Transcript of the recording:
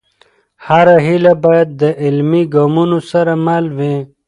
هره هېله باید د عملي ګامونو سره مل وي.